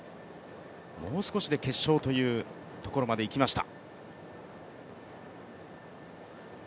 もう少しで決勝というところまでいきました。